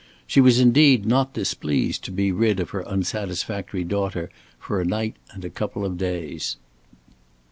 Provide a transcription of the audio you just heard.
She was indeed not displeased to be rid of her unsatisfactory daughter for a night and a couple of days.